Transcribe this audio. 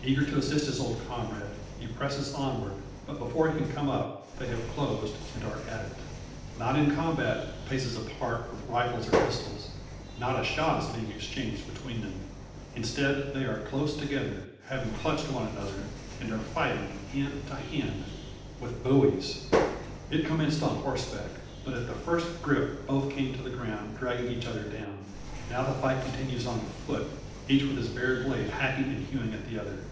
Eager to assist his old comrade, he presses onward; but, before he can come up, they have closed, and are at it. Not in combat, paces apart, with rifles or pistols. Not a shot is being exchanged between them. Instead, they are close together, have clutched one another, and are fighting, hand to hand, with bowies! It commenced on horseback, but at the first grip both came to the ground, dragging each other down. Now the fight continues on foot, each with his bared blade hacking and hewing at the other.